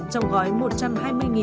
trong gói một trăm hai mươi tỷ đồng